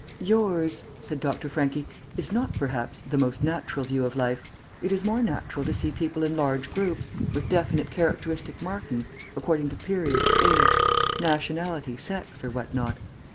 "Yours," said Dr. Franchi, "is not, perhaps, the most natural view of life. It is more natural to see people in large groups, with definite characteristic markings, according to period, age, nationality, sex, or what not.